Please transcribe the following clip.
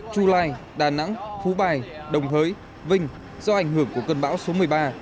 chu lai đà nẵng phú bài đồng hới vinh do ảnh hưởng của cơn bão số một mươi ba